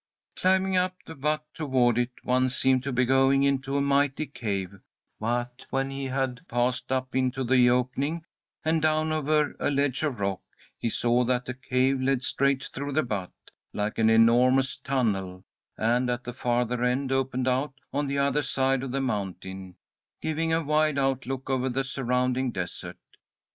Climbing up the butte toward it, one seemed to be going into a mighty cave, but when he had passed up into the opening, and down over a ledge of rock, he saw that the cave led straight through the butte, like an enormous tunnel, and at the farther end opened out on the other side of the mountain, giving a wide outlook over the surrounding desert.